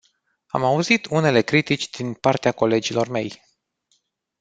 Am auzit unele critici din partea colegilor mei.